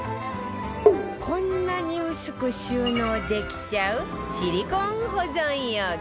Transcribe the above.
こんなに薄く収納できちゃうシリコーン保存容器